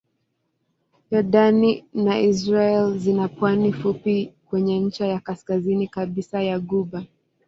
Yordani na Israel zina pwani fupi kwenye ncha ya kaskazini kabisa ya ghuba.